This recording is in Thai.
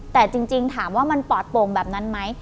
แต่จริงถามว่ามันปอดโป่งแบบนั้นไหม